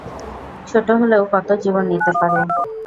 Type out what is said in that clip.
ছোটো হলেও কতো জীবন নিতে পারে।